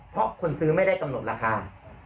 เพราะคนซื้อไม่ได้กำหนดราคา